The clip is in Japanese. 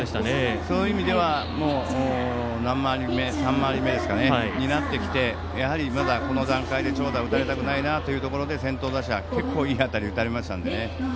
その意味では３回り目になってきてやはり、この段階で長打を打たれたくないなというところで先頭打者に結構いい当たり打たれましたので。